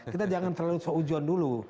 kita jangan terlalu seujuan dulu